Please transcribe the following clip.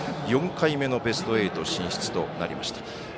４回目のベスト８進出となりました。